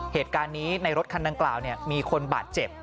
เหตุการณ์นี้ในรถคันดังกล่าวมีคนบาดเจ็บ